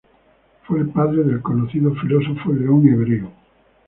Fue el padre del conocido filósofo León Hebreo.